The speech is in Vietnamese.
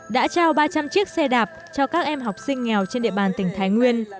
đã trao ba trăm linh chiếc xe đạp cho các em học sinh nghèo trên địa bàn tỉnh thái nguyên